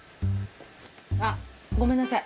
あっごめんなさい。